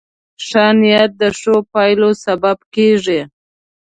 ښه نیت د ښو پایلو سبب کېږي.